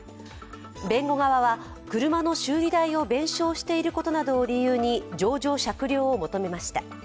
弁護側は車の修理代を弁償していることなどを理由に情状酌量を求めました。